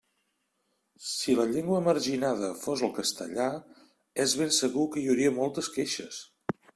Si la llengua marginada fos el castellà, és ben segur que hi hauria moltes queixes.